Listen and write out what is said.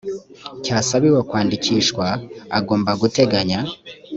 cyasabiwe kwandikishwa agomba guteganya